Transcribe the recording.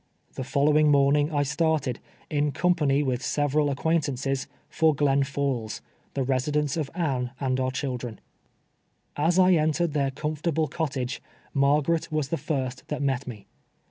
The following morning I started, in company with several acquaint ances, for Glens Falls, the residence of Anne and our children. As I entered their comfortable cottage, Margaret was the first that met me.